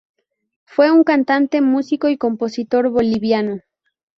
Fue un cantante, músico y compositor boliviano.